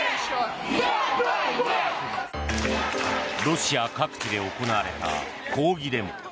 ロシア各地で行われた抗議デモ。